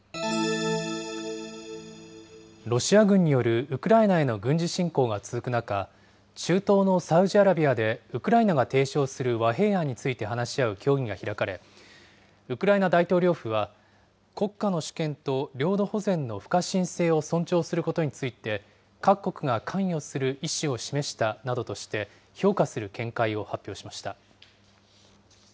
ロシア軍によるウクライナへの軍事侵攻が続く中、中東のサウジアラビアでウクライナが提唱する和平案について話し合う協議が開かれ、ウクライナ大統領府は、国家の主権と領土保全の不可侵性を尊重することについて、各国が関与する意思を示したなどとして、評価する見解を発表しました。